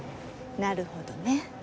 なるほどね。